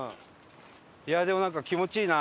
いやでもなんか気持ちいいな。